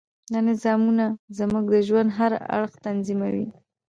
دا نظامونه زموږ د ژوند هر اړخ تنظیموي.